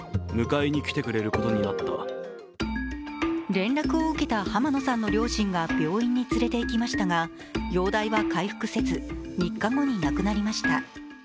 連絡を受けた濱野さんの両親が病院に連れて行きましたが容体は回復せず、３日後に亡くなりました。